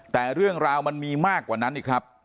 แต่เรื่องราวมันมีมากกว่านั้นอีกครับ